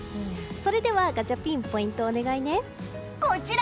それではガチャピンポイントをお願いね。